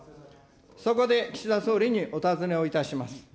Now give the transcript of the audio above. そこで岸田総理にお尋ねをいたします。